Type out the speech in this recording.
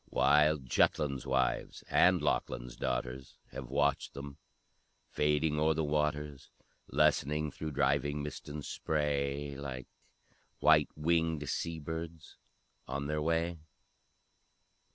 Wild Jutland's wives and Lochlin's daughters Have watched them fading o'er the waters, Lessening through driving mist and spray, Like white winged sea birds on their way!